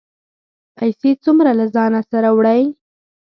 پیسې څومره له ځانه سره وړئ؟